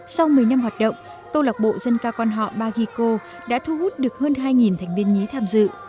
sau một mươi năm hoạt động câu lạc bộ dân ca quan họ bagico đã thu hút được hơn hai thành viên nhí tham dự